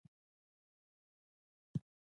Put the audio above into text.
یوازې نن شپه یې دا دی د مرګ تر پولې را ورسولو.